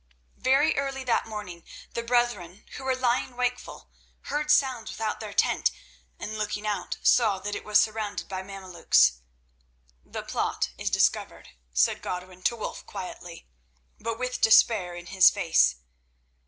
Very early that morning the brethren, who were lying wakeful, heard sounds without their tent, and looking out saw that it was surrounded by Mameluks. "The plot is discovered," said Godwin to Wulf quietly, but with despair in his face.